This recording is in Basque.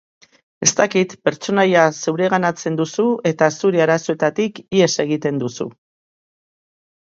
Ez dakit, pertsonaia zeureganatzen duzu eta zure arazoetatik ihes egiten duzu.